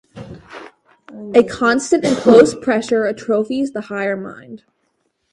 A constant and close pressure atrophies the higher mind.